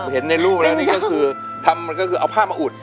เห็นในรูปแล้วนี่ก็คือทำก็คือเอาผ้ามาอุด